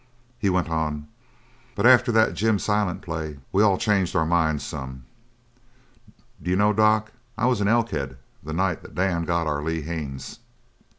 He went on: "But after that Jim Silent play we all changed our minds, some. D'you know, doc, I was in Elkhead the night that Dan got our Lee Haines?"